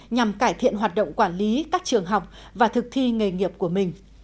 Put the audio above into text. nhằm cải thiện hoạt động quản lý các trường học và thực thi nghề nghiệp của mình